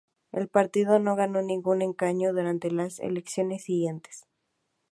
El partido no ganó ningún escaño durante las elecciones siguientes.